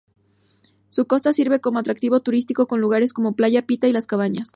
Su costa sirve como atractivo turístico con lugares como Playa Pita y las Cabañas.